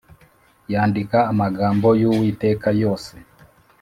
yandika amagambo y Uwiteka yose